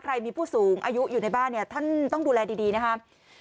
ผู้มีผู้สูงอายุอยู่ในบ้านเนี่ยท่านต้องดูแลดีนะครับ